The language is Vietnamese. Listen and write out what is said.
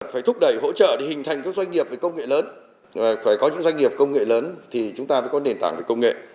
phải thúc đẩy hỗ trợ để hình thành các doanh nghiệp về công nghệ lớn phải có những doanh nghiệp công nghệ lớn thì chúng ta phải có nền tảng về công nghệ